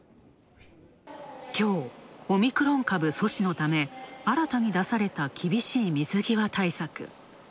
きょう、オミクロン株阻止のため新たに出された厳しい水際対策。